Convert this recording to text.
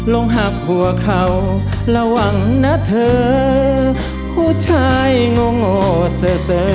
ลงหักหัวเขาระวังนะเธอผู้ชายโง่เสอ